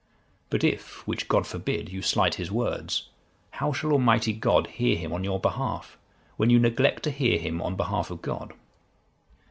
But if (which God forbid!) you slight his words, how shall Almighty God hear him on your behalf, when you neglect to hear him on behalf of God?